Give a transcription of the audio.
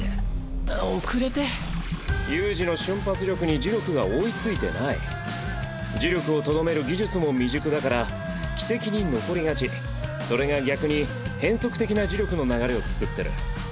悠仁の瞬発力に呪力が追いつ呪力をとどめる技術も未熟だから軌跡それが逆に変則的な呪力の流れを作ってる。